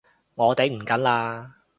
我頂唔緊喇！